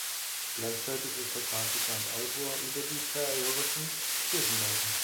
Gleichzeitig ist er Grafiker und Autor über die Färöischen Kirchenbauten.